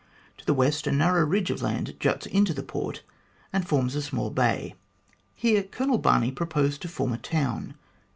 To the west a narrow ridge of land juts into the port, and forms a small bay. Here Colonel Barney proposed to form a town.